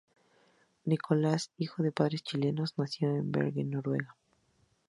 Nicolás, hijo de padres chilenos, nació en Bergen, Noruega.